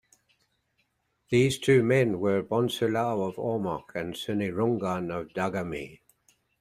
These two men were Bonsilao of Ormoc and Sinirungan of Dagami.